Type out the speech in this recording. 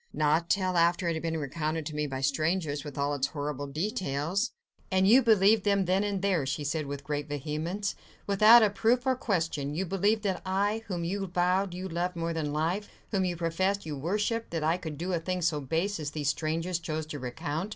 "Not till after it had been recounted to me by strangers, with all its horrible details." "And you believed them then and there," she said with great vehemence, "without a proof or question—you believed that I, whom you vowed you loved more than life, whom you professed you worshipped, that I could do a thing so base as these strangers chose to recount.